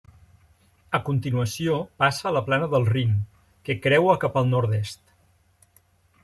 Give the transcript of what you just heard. A continuació, passa a la Plana del Rin, que creua cap al nord-est.